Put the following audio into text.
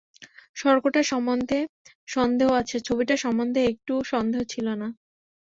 স্বর্গটা সম্বন্ধে সন্দেহ আছে, ছবিটা সম্বন্ধে একটুও সন্দেহ ছিল না।